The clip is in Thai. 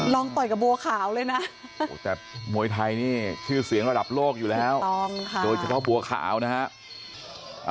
ต่อยกับบัวขาวเลยนะแต่มวยไทยนี่ชื่อเสียงระดับโลกอยู่แล้วโดยเฉพาะบัวขาวนะฮะ